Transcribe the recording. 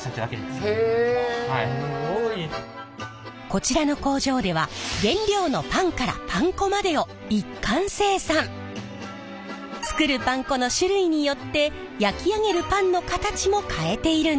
こちらの工場では作るパン粉の種類によって焼き上げるパンの形も変えているんです！